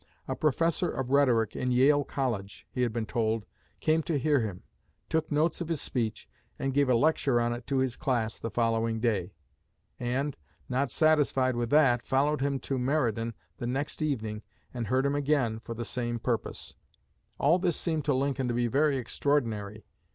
A professor of rhetoric in Yale College, he had been told, came to hear him, took notes of his speech, and gave a lecture on it to his class the following day, and, not satisfied with that, followed him to Meriden the next evening and heard him again for the same purpose. All this seemed to Lincoln to be "very extraordinary."